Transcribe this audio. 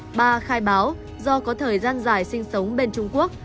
trần thị ba khai báo do có thời gian dài sinh sống bên trung quốc